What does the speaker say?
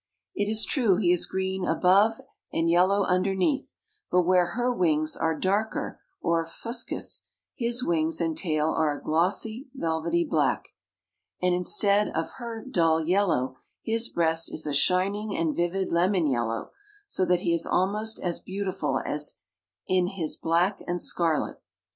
It is true he is green above and yellow underneath, but where her wings are darker or "fuscous," his wings and tail are a glossy, velvety black, and instead of her dull yellow, his breast is a shining and vivid lemon yellow, so that he is almost as beautiful as in his black and scarlet.